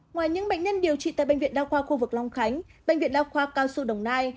ngoài những bệnh nhân điều trị tại bệnh viện đa khoa khu vực long khánh bệnh viện đa khoa cao xu đồng nai